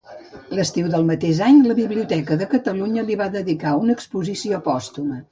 L'estiu del mateix any la Biblioteca de Catalunya li va dedicar una exposició pòstuma.